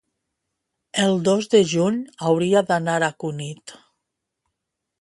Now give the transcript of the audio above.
el dos de juny hauria d'anar a Cunit.